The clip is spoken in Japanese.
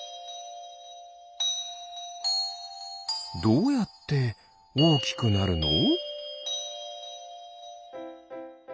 どうやっておおきくなるの？